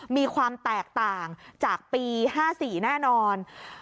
มีความแตกต่างจากปี๕๔แน่นอน